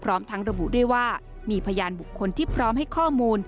พร้อมทั้งระบุด้วยว่ามีพยานบุคคลที่พร้อมให้ข้อมูล